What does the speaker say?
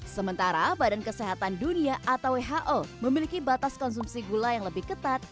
sementara badan kesehatan dunia atau who memiliki batas konsumsi gula yang lebih ketat